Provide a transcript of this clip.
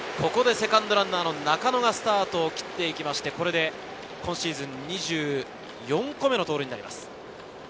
セカンドランナーの中野がスタートを切っていきまして、今シーズン２４個目の盗塁です。